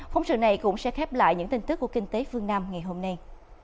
phóng sự này cũng sẽ khép lại những tin tức của kinh tế phương nam ngày hôm nay